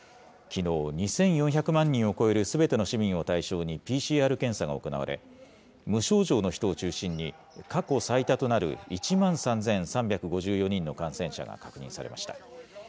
きのう、２４００万人を超えるすべての市民を対象にＰＣＲ検査が行われ、無症状の人を中心に、過去最多となる１万３３５４人の感染者が確認されました。